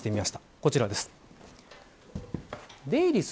こちらです。